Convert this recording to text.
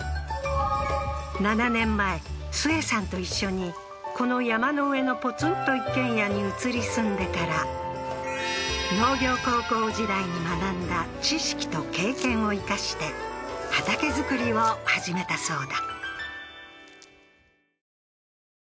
７年前スエさんと一緒にこの山の上のポツンと一軒家に移り住んでから農業高校時代に学んだ知識と経験を生かして畑作りを始めたそうだ